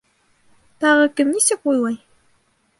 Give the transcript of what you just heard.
— Тағы кем нисек уйлай?